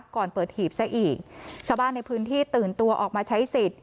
ก่อนเปิดหีบซะอีกชาวบ้านในพื้นที่ตื่นตัวออกมาใช้สิทธิ์